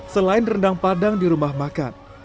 selain rendang padang di rumah makan